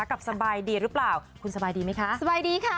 สบายดีหรือเปล่าคุณสบายดีไหมคะสบายดีค่ะ